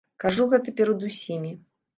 Кажу гэта перад усімі!